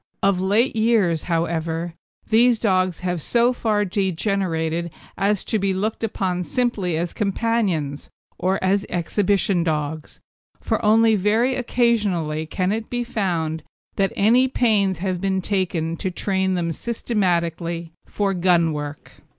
Of late years, however, these dogs have so far degenerated as to be looked upon simply as companions, or as exhibition dogs, for only very occasionally can it be found that any pains have been taken to train them systematically for gun work.